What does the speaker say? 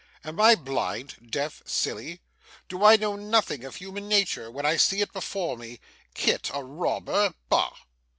'Am I blind, deaf, silly; do I know nothing of human nature when I see it before me? Kit a robber! Bah!